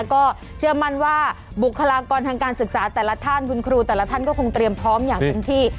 ก็เชื่อมั่นว่าบุคลากรทางการศึกษาแต่ละท่านคุณครูแต่ละท่านก็คงเตรียมพร้อมอย่างเต็มที่